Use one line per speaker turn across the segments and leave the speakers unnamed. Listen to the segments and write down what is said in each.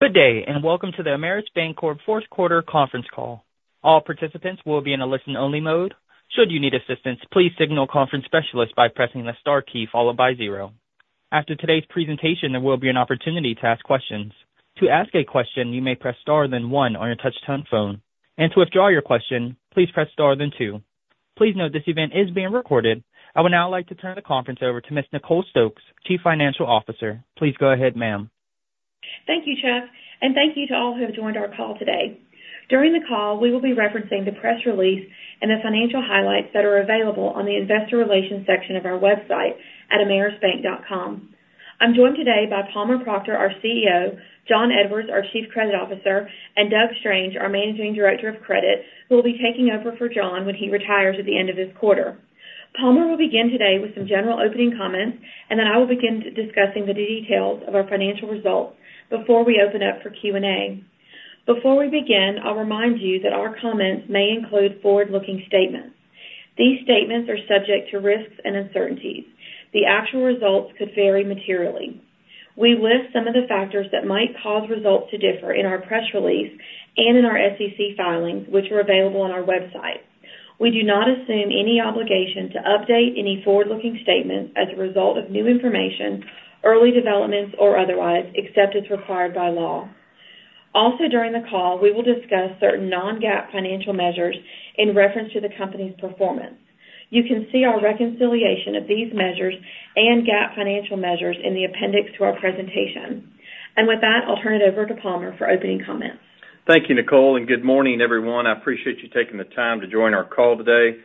Good day, and welcome to the Ameris Bancorp Fourth Quarter Conference Call. All participants will be in a listen-only mode. Should you need assistance, please signal conference specialist by pressing the star key followed by zero. After today's presentation, there will be an opportunity to ask questions. To ask a question, you may press star then one on your touchtone phone, and to withdraw your question, please press star then two. Please note this event is being recorded. I would now like to turn the conference over to Ms. Nicole Stokes, Chief Financial Officer. Please go ahead, ma'am.
Thank you, Chuck, and thank you to all who have joined our call today. During the call, we will be referencing the press release and the financial highlights that are available on the Investor Relations section of our website at amerisbank.com. I'm joined today by Palmer Proctor, our CEO, Jon Edwards, our Chief Credit Officer, and Doug Strange, our Managing Director of Credit, who will be taking over for Jon when he retires at the end of this quarter. Palmer will begin today with some general opening comments, and then I will begin discussing the details of our financial results before we open up for Q&A. Before we begin, I'll remind you that our comments may include forward-looking statements. These statements are subject to risks and uncertainties. The actual results could vary materially. We list some of the factors that might cause results to differ in our press release and in our SEC filings, which are available on our website. We do not assume any obligation to update any forward-looking statements as a result of new information, early developments, or otherwise, except as required by law. Also, during the call, we will discuss certain non-GAAP financial measures in reference to the company's performance. You can see our reconciliation of these measures and GAAP financial measures in the appendix to our presentation. With that, I'll turn it over to Palmer for opening comments.
Thank you, Nicole, and good morning, everyone. I appreciate you taking the time to join our call today.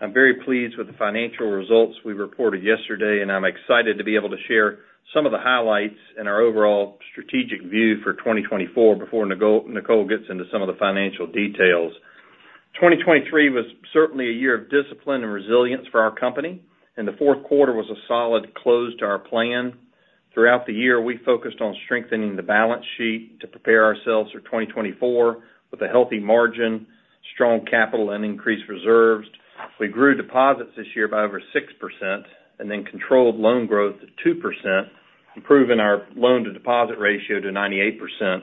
I'm very pleased with the financial results we reported yesterday, and I'm excited to be able to share some of the highlights in our overall strategic view for 2024 before Nicole gets into some of the financial details. 2023 was certainly a year of discipline and resilience for our company, and the fourth quarter was a solid close to our plan. Throughout the year, we focused on strengthening the balance sheet to prepare ourselves for 2024 with a healthy margin, strong capital, and increased reserves. We grew deposits this year by over 6% and then controlled loan growth to 2%, improving our loan-to-deposit ratio to 98%,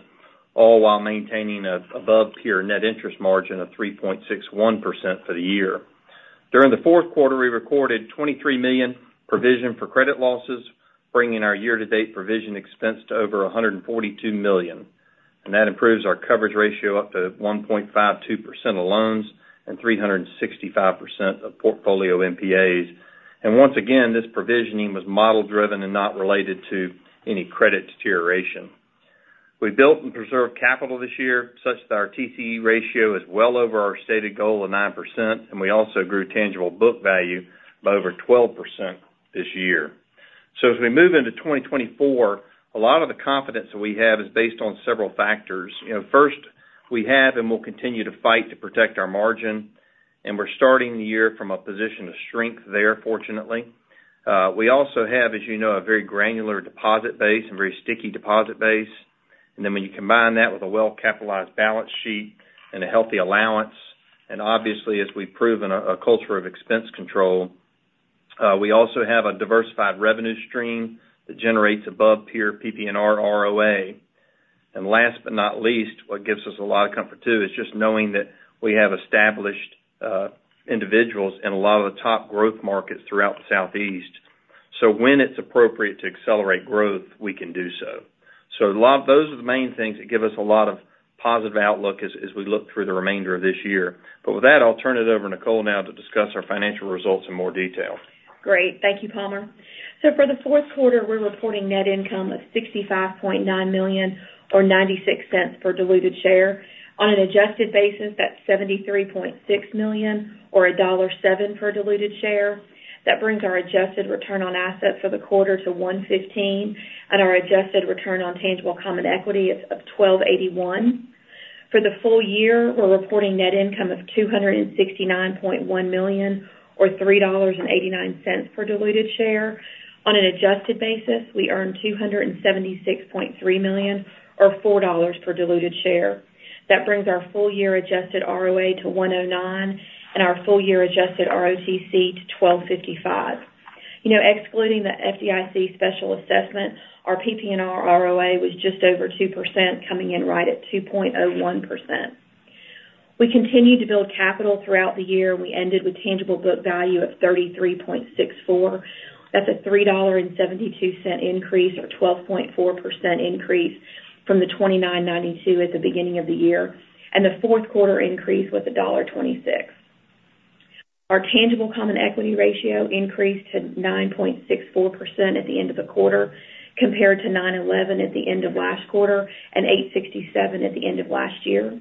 all while maintaining an above-peer net interest margin of 3.61% for the year. During the fourth quarter, we recorded $23 million provision for credit losses, bringing our year-to-date provision expense to over $142 million, and that improves our coverage ratio up to 1.52% of loans and 365% of portfolio NPAs. And once again, this provisioning was model-driven and not related to any credit deterioration. We built and preserved capital this year, such that our TCE ratio is well over our stated goal of 9%, and we also grew tangible book value by over 12% this year. So as we move into 2024, a lot of the confidence that we have is based on several factors. You know, first, we have and will continue to fight to protect our margin, and we're starting the year from a position of strength there, fortunately. We also have, as you know, a very granular deposit base and very sticky deposit base, and then when you combine that with a well-capitalized balance sheet and a healthy allowance, and obviously, as we've proven, a culture of expense control. We also have a diversified revenue stream that generates above peer PPNR ROA. And last but not least, what gives us a lot of comfort, too, is just knowing that we have established individuals in a lot of the top growth markets throughout the Southeast. So when it's appropriate to accelerate growth, we can do so. So a lot of those are the main things that give us a lot of positive outlook as we look through the remainder of this year. But with that, I'll turn it over to Nicole now to discuss our financial results in more detail.
Great. Thank you, Palmer. So for the fourth quarter, we're reporting net income of $65.9 million or $0.96 per diluted share. On an adjusted basis, that's $73.6 million or $1.07 per diluted share. That brings our adjusted return on assets for the quarter to 1.15%, and our adjusted return on tangible common equity is of 12.81%. For the full year, we're reporting net income of $269.1 million or $3.89 per diluted share. On an adjusted basis, we earned $276.3 million or $4 per diluted share. That brings our full year adjusted ROA to 1.09% and our full year adjusted ROTCE to 12.55%. You know, excluding the FDIC special assessment, our PPNR ROA was just over 2%, coming in right at 2.01%. We continued to build capital throughout the year. We ended with tangible book value of $33.64. That's a $3.72 increase or 12.4% increase from the $29.92 at the beginning of the year, and the fourth quarter increase was $1.26. Our tangible common equity ratio increased to 9.64% at the end of the quarter, compared to 9.11% at the end of last quarter and 8.67% at the end of last year.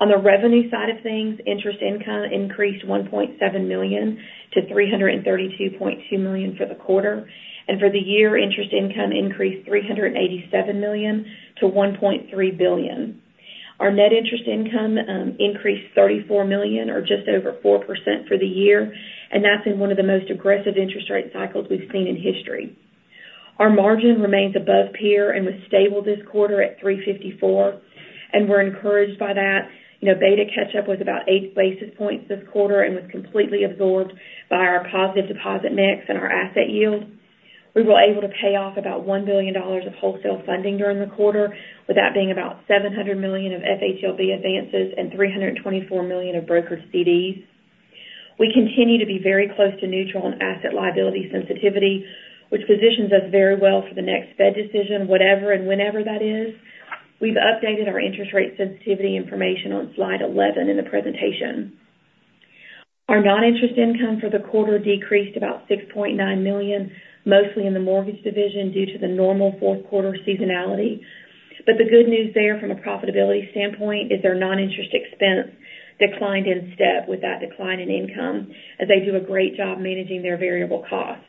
On the revenue side of things, interest income increased $1.7 million to $332.2 million for the quarter. For the year, interest income increased $387 million to $1.3 billion. Our net interest income increased $34 million, or just over 4% for the year, and that's in one of the most aggressive interest rate cycles we've seen in history. Our margin remains above peer and was stable this quarter at 3.54.... and we're encouraged by that. You know, beta catch-up was about 8 basis points this quarter and was completely absorbed by our positive deposit mix and our asset yield. We were able to pay off about $1 billion of wholesale funding during the quarter, with that being about $700 million of FHLB advances and $324 million of broker CDs. We continue to be very close to neutral on asset liability sensitivity, which positions us very well for the next Fed decision, whatever and whenever that is. We've updated our interest rate sensitivity information on slide 11 in the presentation. Our non-interest income for the quarter decreased about $6.9 million, mostly in the mortgage division, due to the normal fourth quarter seasonality. But the good news there, from a profitability standpoint, is their non-interest expense declined in step with that decline in income, as they do a great job managing their variable costs.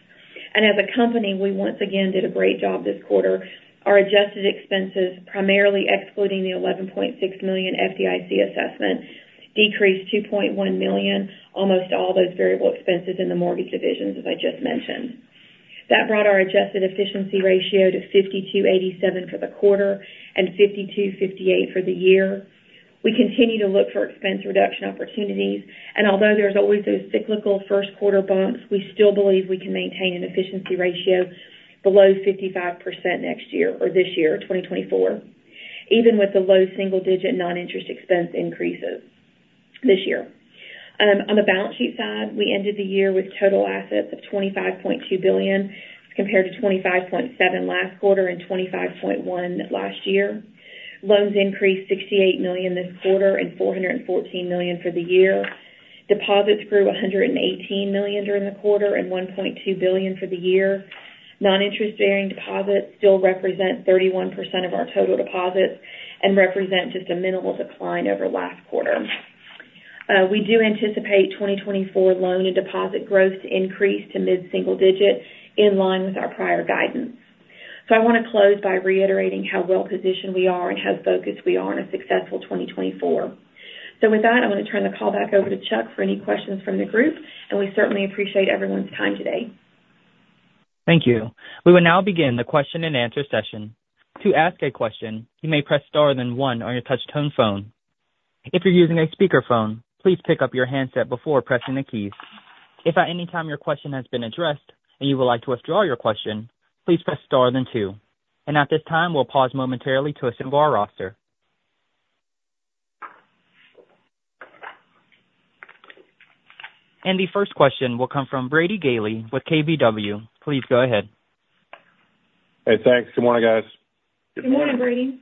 And as a company, we once again did a great job this quarter. Our adjusted expenses, primarily excluding the $11.6 million FDIC assessment, decreased $2.1 million, almost all those variable expenses in the mortgage divisions, as I just mentioned. That brought our adjusted efficiency ratio to 52.87% for the quarter and 52.58% for the year. We continue to look for expense reduction opportunities, and although there's always those cyclical first quarter bumps, we still believe we can maintain an efficiency ratio below 55% next year or this year, 2024, even with the low single digit non-interest expense increases this year. On the balance sheet side, we ended the year with total assets of $25.2 billion, compared to $25.7 billion last quarter and $25.1 billion last year. Loans increased $68 million this quarter and $414 million for the year. Deposits grew $118 million during the quarter and $1.2 billion for the year. Non-interest bearing deposits still represent 31% of our total deposits and represent just a minimal decline over last quarter. We do anticipate 2024 loan and deposit growth to increase to mid-single digit in line with our prior guidance. So I wanna close by reiterating how well positioned we are and how focused we are on a successful 2024. So with that, I'm going to turn the call back over to Chuck for any questions from the group, and we certainly appreciate everyone's time today.
Thank you. We will now begin the question-and-answer session. To ask a question, you may press star then one on your touchtone phone. If you're using a speakerphone, please pick up your handset before pressing the keys. If at any time your question has been addressed and you would like to withdraw your question, please press star then two. At this time, we'll pause momentarily to assemble our roster. The first question will come from Brady Gailey with KBW. Please go ahead.
Hey, thanks. Good morning, guys.
Good morning, Brady.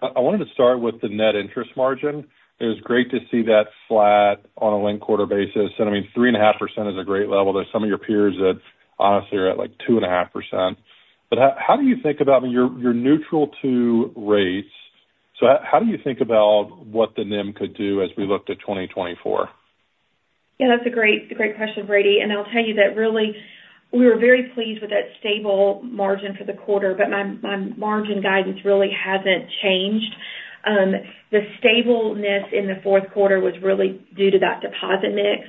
I wanted to start with the net interest margin. It was great to see that flat on a linked quarter basis. And I mean, 3.5% is a great level. There's some of your peers that honestly are at, like, 2.5%. But how, how do you think about—I mean, you're, you're neutral to rates, so how, how do you think about what the NIM could do as we looked at 2024?
Yeah, that's a great, great question, Brady. And I'll tell you that really, we were very pleased with that stable margin for the quarter, but my, my margin guidance really hasn't changed. The stableness in the fourth quarter was really due to that deposit mix.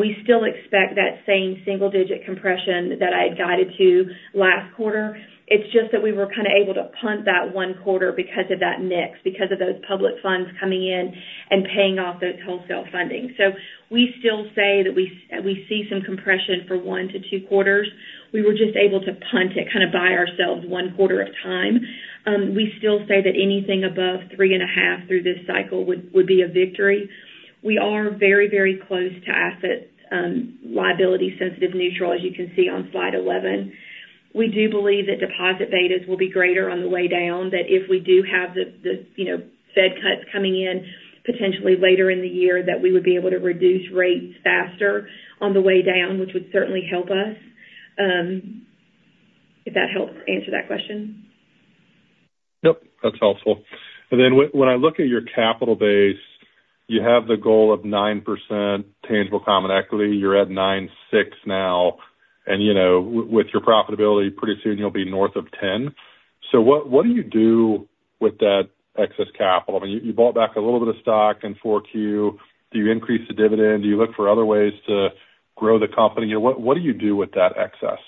We still expect that same single digit compression that I had guided to last quarter. It's just that we were kind of able to punt that one quarter because of that mix, because of those public funds coming in and paying off those wholesale funding. So we still say that we see some compression for one to two quarters. We were just able to punt it, kind of buy ourselves one quarter at a time. We still say that anything above 3.5 through this cycle would be a victory. We are very, very close to asset liability sensitive neutral, as you can see on slide 11. We do believe that deposit betas will be greater on the way down, that if we do have the you know Fed cuts coming in potentially later in the year, that we would be able to reduce rates faster on the way down, which would certainly help us. If that helps answer that question.
Yep, that's helpful. And then when I look at your capital base, you have the goal of 9% tangible common equity. You're at 9.6 now, and, you know, with your profitability, pretty soon you'll be north of 10. So what, what do you do with that excess capital? I mean, you bought back a little bit of stock in 4Q. Do you increase the dividend? Do you look for other ways to grow the company? What, what do you do with that excess?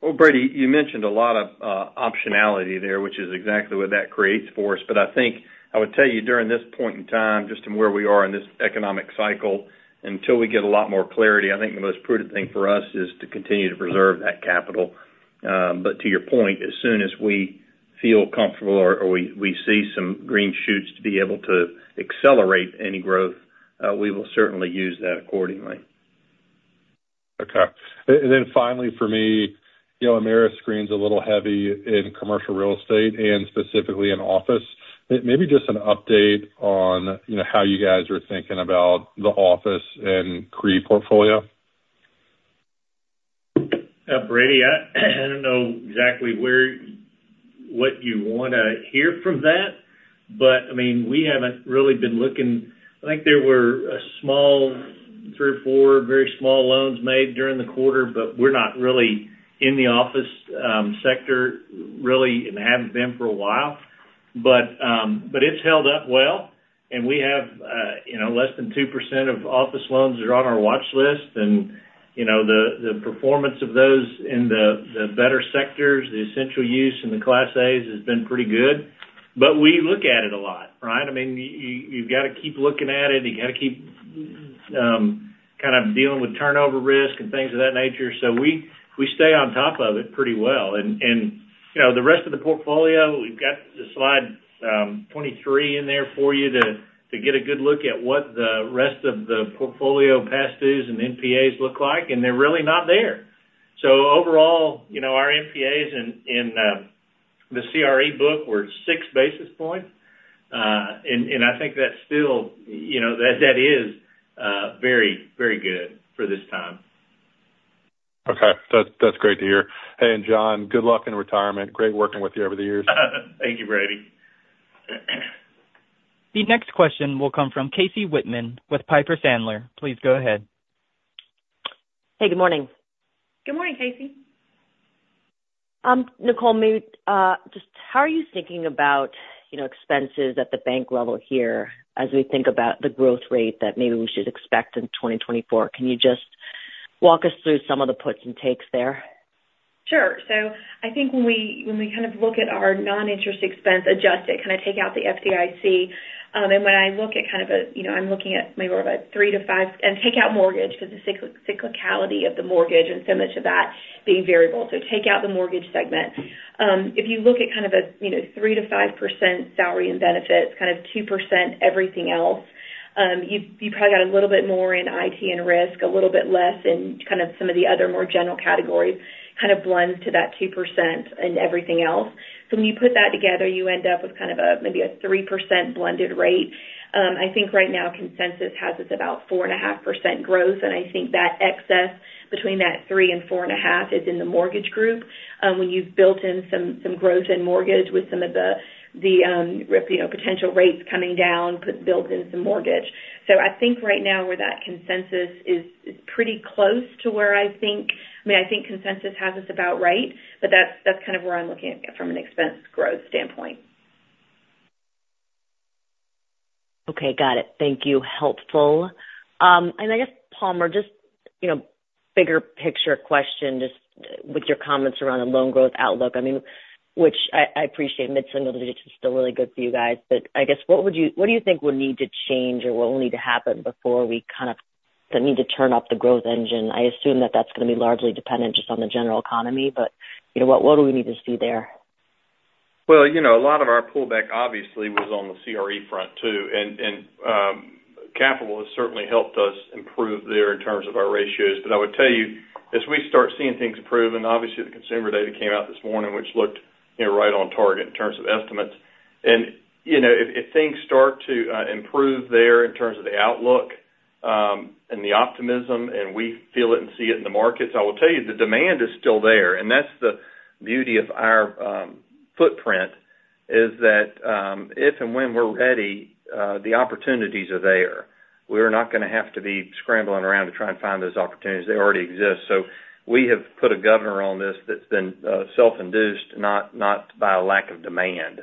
Well, Brady, you mentioned a lot of optionality there, which is exactly what that creates for us. But I think I would tell you, during this point in time, just in where we are in this economic cycle, until we get a lot more clarity, I think the most prudent thing for us is to continue to preserve that capital. But to your point, as soon as we feel comfortable or we see some green shoots to be able to accelerate any growth, we will certainly use that accordingly.
Okay. And then finally, for me, you know, Ameris screens a little heavy in commercial real estate and specifically in office. Maybe just an update on, you know, how you guys are thinking about the office and CRE portfolio.
Brady, I don't know exactly where what you wanna hear from that, but I mean, we haven't really been looking. I think there were a small three or four very small loans made during the quarter, but we're not really in the office sector, really, and haven't been for a while. But, but it's held up well. And we have, you know, less than 2% of office loans are on our watch list, and, you know, the performance of those in the better sectors, the essential use and the Class A's has been pretty good. But we look at it a lot, right? I mean, you've got to keep looking at it. You've got to keep kind of dealing with turnover risk and things of that nature. So we stay on top of it pretty well. And, you know, the rest of the portfolio, we've got the slide 23 in there for you to get a good look at what the rest of the portfolio past dues and NPAs look like, and they're really not there. So overall, you know, our NPAs in the CRE book were 6 basis points. And I think that's still, you know, that is very, very good for this time.
Okay. That's, that's great to hear. Hey, and Jon, good luck in retirement. Great working with you over the years.
Thank you, Brady.
The next question will come from Casey Whitman with Piper Sandler. Please go ahead.
Hey, good morning.
Good morning, Casey.
Nicole, maybe, just how are you thinking about, you know, expenses at the bank level here as we think about the growth rate that maybe we should expect in 2024? Can you just walk us through some of the puts and takes there?
Sure. So I think when we kind of look at our non-interest expense, adjusted, kind of take out the FDIC, and when I look at kind of a, you know, I'm looking at maybe more of a 3%-5% and take out mortgage because the cyclicality of the mortgage and so much of that being variable. So take out the mortgage segment. If you look at kind of a, you know, 3%-5% salary and benefits, kind of 2% everything else, you probably got a little bit more in IT and risk, a little bit less in kind of some of the other more general categories, kind of blends to that 2% in everything else. So when you put that together, you end up with kind of a, maybe a 3% blended rate. I think right now, consensus has us about 4.5% growth, and I think that excess between that 3%-4.5% is in the mortgage group. When you've built in some growth in mortgage with some of the, you know, potential rates coming down, but built in some mortgage. So I think right now, where that consensus is, is pretty close to where I think... I mean, I think consensus has us about right, but that's kind of where I'm looking at it from an expense growth standpoint.
Okay, got it. Thank you. Helpful. And I guess, Palmer, just, you know, bigger picture question, just with your comments around the loan growth outlook, I mean, which I appreciate mid-single digits is still really good for you guys. But I guess, what would you—what do you think would need to change or what will need to happen before we kind of need to turn up the growth engine? I assume that that's going to be largely dependent just on the general economy, but, you know, what do we need to see there?
Well, you know, a lot of our pullback obviously was on the CRE front, too, and capital has certainly helped us improve there in terms of our ratios. But I would tell you, as we start seeing things improve, and obviously, the consumer data came out this morning, which looked, you know, right on target in terms of estimates. And, you know, if things start to improve there in terms of the outlook, and the optimism, and we feel it and see it in the markets, I will tell you, the demand is still there. And that's the beauty of our footprint, is that, if and when we're ready, the opportunities are there. We are not gonna have to be scrambling around to try and find those opportunities. They already exist. So we have put a governor on this that's been self-induced, not by a lack of demand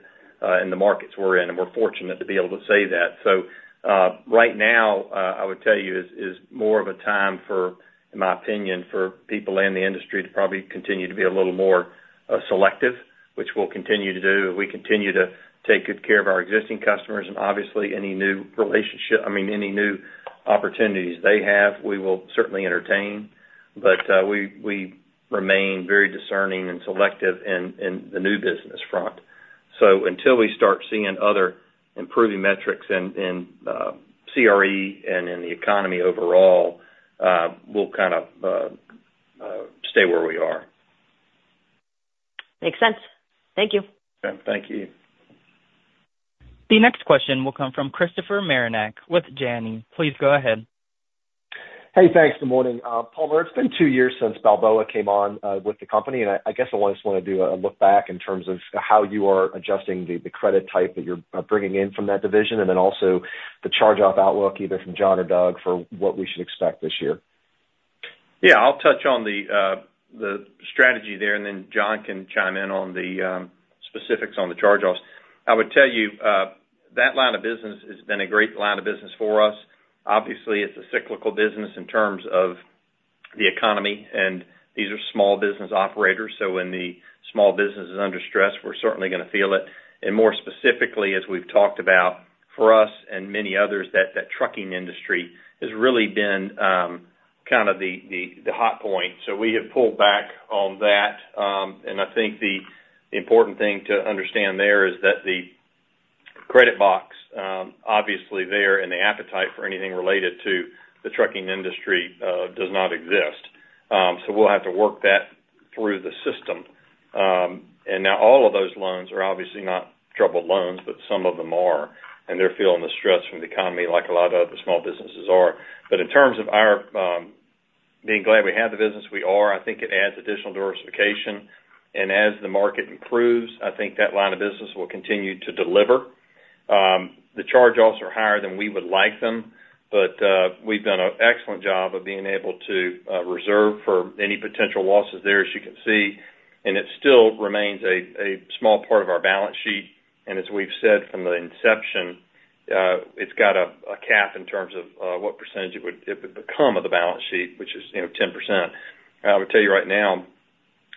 in the markets we're in, and we're fortunate to be able to say that. So right now I would tell you is more of a time for, in my opinion, for people in the industry to probably continue to be a little more selective, which we'll continue to do. We continue to take good care of our existing customers, and obviously, any new relationship - I mean, any new opportunities they have, we will certainly entertain. But we remain very discerning and selective in the new business front. So until we start seeing other improving metrics in CRE and in the economy overall, we'll kind of stay where we are.
Makes sense. Thank you.
Okay. Thank you.
The next question will come from Christopher Marinac with Janney. Please go ahead.
Hey, thanks. Good morning. Palmer, it's been two years since Balboa came on with the company, and I guess I just wanna do a look back in terms of how you are adjusting the credit type that you're bringing in from that division, and then also the charge-off outlook, either from Jon or Doug, for what we should expect this year.
Yeah, I'll touch on the strategy there, and then Jon can chime in on the specifics on the charge-offs. I would tell you that line of business has been a great line of business for us. Obviously, it's a cyclical business in terms of the economy, and these are small business operators, so when the small business is under stress, we're certainly gonna feel it. And more specifically, as we've talked about, for us and many others, that trucking industry has really been kind of the hot point. So we have pulled back on that. And I think the important thing to understand there is that the credit box obviously there, and the appetite for anything related to the trucking industry does not exist. So we'll have to work that through the system. And now all of those loans are obviously not troubled loans, but some of them are, and they're feeling the stress from the economy like a lot of other small businesses are. But in terms of our being glad we have the business, we are. I think it adds additional diversification. And as the market improves, I think that line of business will continue to deliver. The charge-offs are higher than we would like them, but we've done an excellent job of being able to reserve for any potential losses there, as you can see, and it still remains a small part of our balance sheet. And as we've said from the inception, it's got a cap in terms of what percentage it would become of the balance sheet, which is, you know, 10%. I would tell you right now,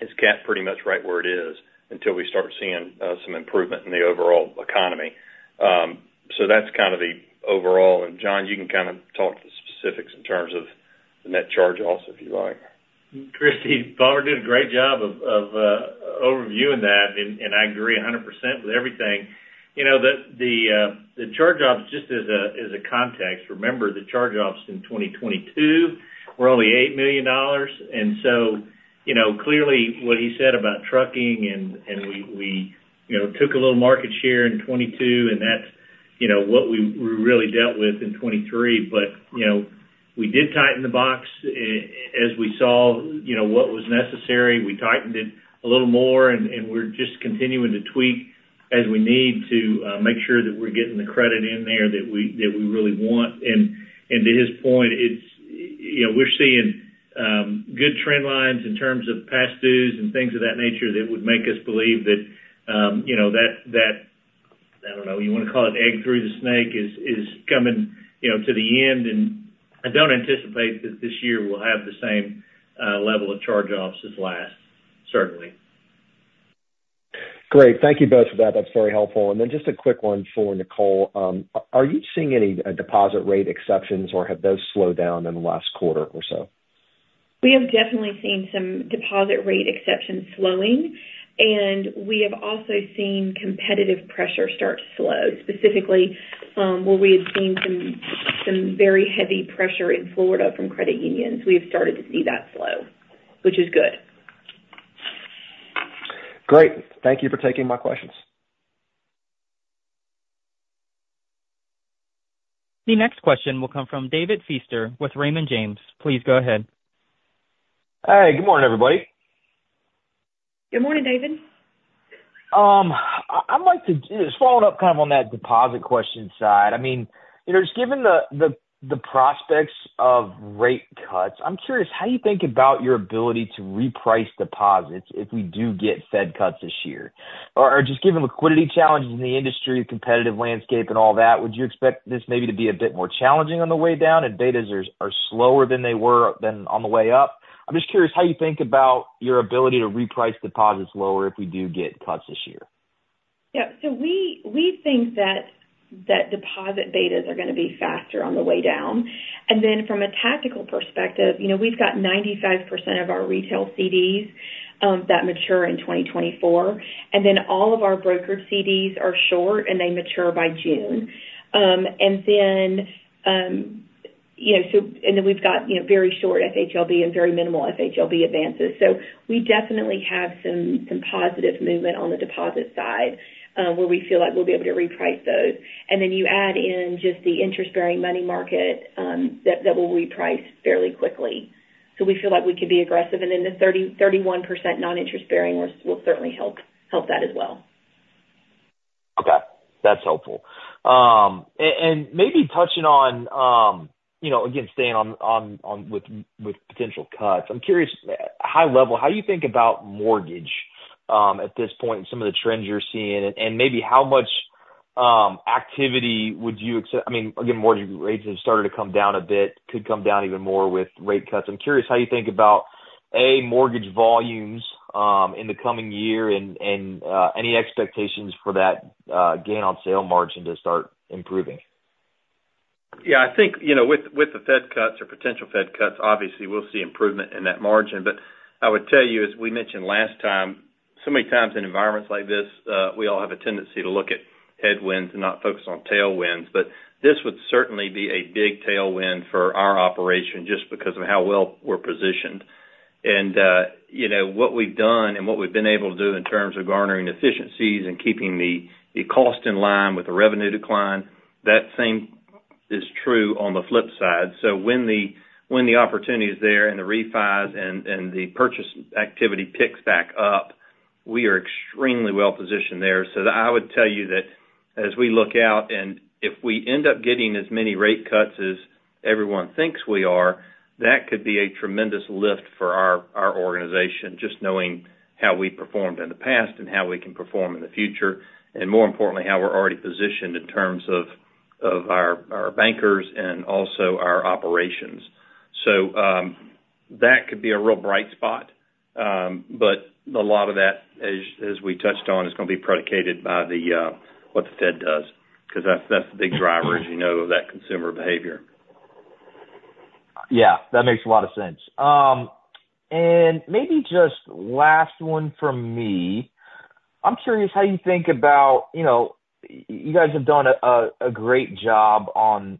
it's capped pretty much right where it is, until we start seeing some improvement in the overall economy. So that's kind of the overall. And Jon, you can kind of talk to the specifics in terms of the net charge-offs, if you like.
Chris, Palmer did a great job of of overviewing that, and I agree 100% with everything. You know, the the charge-offs, just as a as a context, remember, the charge-offs in 2022 were only $8 million. And so, you know, clearly, what he said about trucking and we we you know, took a little market share in 2022, and that's you know, what we we really dealt with in 2023. But you know, we did tighten the box as we saw you know, what was necessary. We tightened it a little more, and we're just continuing to tweak as we need to make sure that we're getting the credit in there that we that we really want. And to his point, it's, you know, we're seeing good trend lines in terms of past dues and things of that nature, that would make us believe that, you know, that, I don't know, you wanna call it egg through the snake, is coming, you know, to the end. And I don't anticipate that this year will have the same level of charge-offs as last, certainly.
Great. Thank you both for that. That's very helpful. And then just a quick one for Nicole. Are you seeing any deposit rate exceptions, or have those slowed down in the last quarter or so?
We have definitely seen some deposit rate exceptions slowing, and we have also seen competitive pressure start to slow, specifically, where we had seen some very heavy pressure in Florida from credit unions. We have started to see that slow, which is good.
Great, thank you for taking my questions.
The next question will come from David Feaster with Raymond James. Please go ahead.
Hey, good morning, everybody.
Good morning, David.
I'd like to just follow up kind of on that deposit question side. I mean, you know, just given the prospects of rate cuts, I'm curious, how do you think about your ability to reprice deposits if we do get Fed cuts this year? Or just given liquidity challenges in the industry, competitive landscape and all that, would you expect this maybe to be a bit more challenging on the way down, and betas are slower than they were on the way up? I'm just curious how you think about your ability to reprice deposits lower if we do get cuts this year.
Yeah, so we think that deposit betas are gonna be faster on the way down. And then from a tactical perspective, you know, we've got 95% of our retail CDs that mature in 2024, and then all of our brokered CDs are short, and they mature by June. And then we've got, you know, very short FHLB and very minimal FHLB advances. So we definitely have some positive movement on the deposit side, where we feel like we'll be able to reprice those. And then you add in just the interest-bearing money market that will reprice fairly quickly. So we feel like we can be aggressive, and then the 31% non-interest bearing will certainly help that as well.
Okay, that's helpful. And maybe touching on, you know, again, staying on with potential cuts. I'm curious, high level, how do you think about mortgage at this point and some of the trends you're seeing? And maybe how much activity would you expect—I mean, again, mortgage rates have started to come down a bit, could come down even more with rate cuts. I'm curious how you think about, A, mortgage volumes in the coming year, and any expectations for that gain on sale margin to start improving.
Yeah, I think, you know, with the Fed cuts or potential Fed cuts, obviously we'll see improvement in that margin. But I would tell you, as we mentioned last time, so many times in environments like this, we all have a tendency to look at headwinds and not focus on tailwinds. But this would certainly be a big tailwind for our operation, just because of how well we're positioned. And, you know, what we've done and what we've been able to do in terms of garnering efficiencies and keeping the cost in line with the revenue decline, that same is true on the flip side. So when the opportunity is there and the refis and the purchase activity picks back up, we are extremely well positioned there. So I would tell you that as we look out, and if we end up getting as many rate cuts as everyone thinks we are, that could be a tremendous lift for our organization, just knowing how we performed in the past and how we can perform in the future. And more importantly, how we're already positioned in terms of our bankers and also our operations. So that could be a real bright spot. But a lot of that, as we touched on, is gonna be predicated by what the Fed does, because that's the big driver, as you know, of that consumer behavior.
Yeah, that makes a lot of sense. And maybe just last one from me. I'm curious how you think about, you know, you guys have done a great job on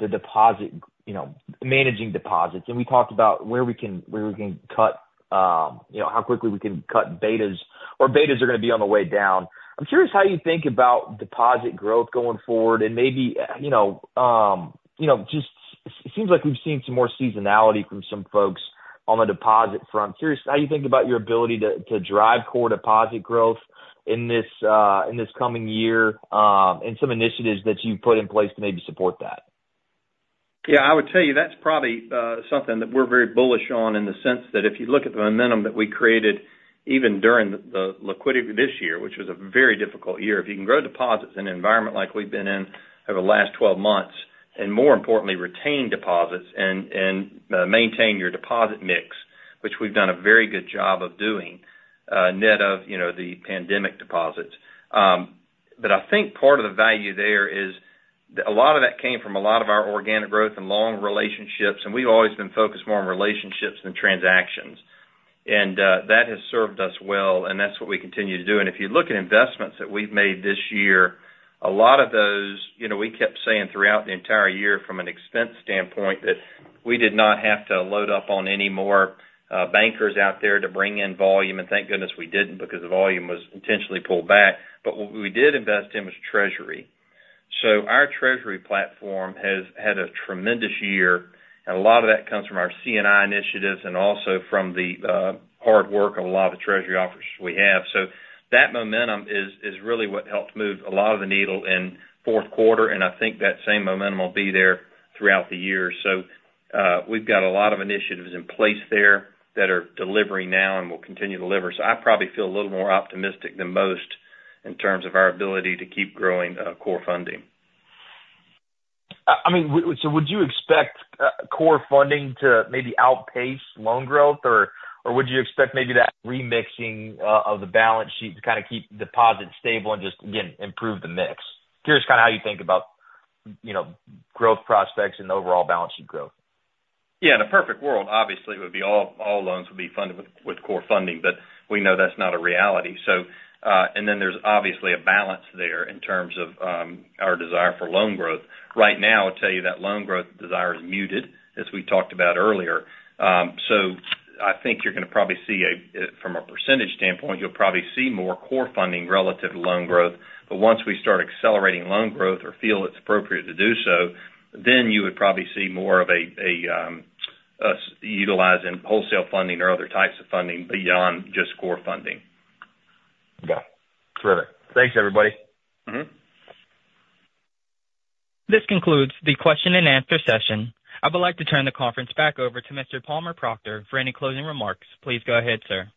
the deposit, you know, managing deposits, and we talked about where we can cut, you know, how quickly we can cut betas, or betas are gonna be on the way down. I'm curious how you think about deposit growth going forward and maybe, you know, you know, It seems like we've seen some more seasonality from some folks on the deposit front. Curious how you think about your ability to drive core deposit growth in this coming year, and some initiatives that you've put in place to maybe support that.
Yeah, I would tell you, that's probably something that we're very bullish on, in the sense that if you look at the momentum that we created, even during the liquidity this year, which was a very difficult year. If you can grow deposits in an environment like we've been in over the last 12 months, and more importantly, retain deposits and maintain your deposit mix, which we've done a very good job of doing, net of, you know, the pandemic deposits. But I think part of the value there is, a lot of that came from a lot of our organic growth and long relationships, and we've always been focused more on relationships than transactions. That has served us well, and that's what we continue to do. If you look at investments that we've made this year, a lot of those, you know, we kept saying throughout the entire year from an expense standpoint, that we did not have to load up on any more bankers out there to bring in volume. Thank goodness we didn't, because the volume was intentionally pulled back. What we did invest in was treasury. Our treasury platform has had a tremendous year, and a lot of that comes from our C&I initiatives and also from the hard work of a lot of the treasury officers we have. That momentum is really what helped move a lot of the needle in fourth quarter, and I think that same momentum will be there throughout the year. We've got a lot of initiatives in place there that are delivering now and will continue to deliver. I probably feel a little more optimistic than most in terms of our ability to keep growing, core funding.
I mean, so would you expect core funding to maybe outpace loan growth, or would you expect maybe that remixing of the balance sheet to kind of keep deposits stable and just, again, improve the mix? Curious kind of how you think about, you know, growth prospects and overall balance sheet growth.
Yeah, in a perfect world, obviously, it would be all, all loans would be funded with, with core funding, but we know that's not a reality. So, And then there's obviously a balance there in terms of our desire for loan growth. Right now, I'll tell you that loan growth desire is muted, as we talked about earlier. So I think you're gonna probably see a, from a percentage standpoint, you'll probably see more core funding relative to loan growth. But once we start accelerating loan growth or feel it's appropriate to do so, then you would probably see more of a, a, us utilizing wholesale funding or other types of funding beyond just core funding.
Okay, sure. Thanks, everybody.
Mm-hmm.
This concludes the question-and-answer session. I would like to turn the conference back over to Mr. Palmer Proctor for any closing remarks. Please go ahead, sir.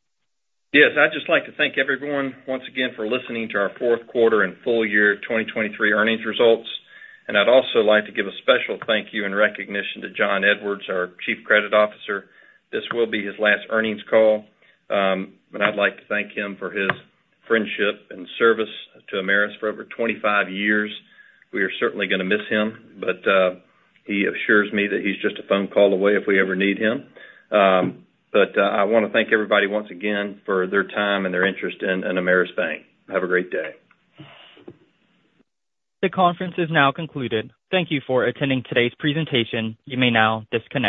Yes, I'd just like to thank everyone once again for listening to our fourth quarter and full year 2023 earnings results. I'd also like to give a special thank you and recognition to Jon Edwards, our Chief Credit Officer. This will be his last earnings call, but I'd like to thank him for his friendship and service to Ameris for over 25 years. We are certainly gonna miss him, but he assures me that he's just a phone call away if we ever need him. I wanna thank everybody once again for their time and their interest in Ameris Bank. Have a great day.
The conference is now concluded. Thank you for attending today's presentation. You may now disconnect.